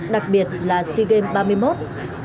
đặc biệt là sea games ba mươi một